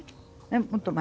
もっと前？